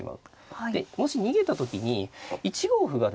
もし逃げた時に１五歩がですね